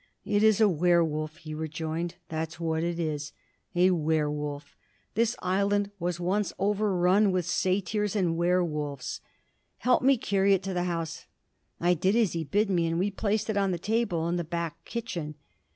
'It's a werwolf!' he rejoined, 'that's what it is. A werwolf! This island was once overrun with satyrs and werwolves! Help me carry it to the house.' I did as he bid me, and we placed it on the table in the back kitchen.